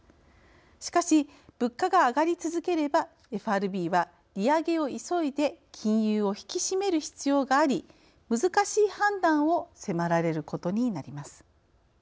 しかし物価が上がり続ければＦＲＢは利上げを急いで金融を引き締める必要があり難しい判断を迫られることになります。